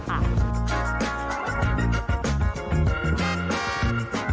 มีมีเข้าคลุกถ้าให้โชครั้งล่ากับพรอยหนึ่ง